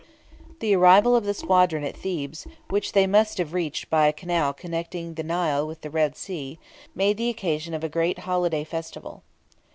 The arrival of the squadron at Thebes, which they must have reached by a canal connecting the Nile with the Red Sea, was made the occasion of a great holiday festival.